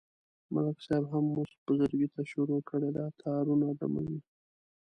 ملک صاحب هم اوس بزرگی ته شروع کړې ده، تارونه دموي.